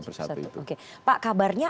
bersatu itu pak kabarnya